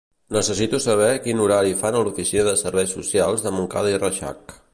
Necessito saber quin horari fan a l'oficina de serveis socials de Montcada i Reixac.